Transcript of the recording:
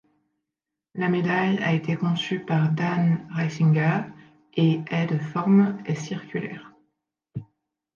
La médaille a été conçue par Dan Reisinger et est de forme est circulaire.